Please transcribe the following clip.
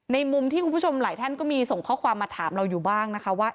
มุมที่คุณผู้ชมหลายท่านก็มีส่งข้อความมาถามเราอยู่บ้างนะคะว่า